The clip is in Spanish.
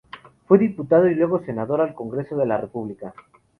Fue Diputado y luego Senador al Congreso de la República.